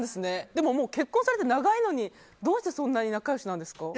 でも結婚されて長いのにどうして、そんなに仲良しなんですか？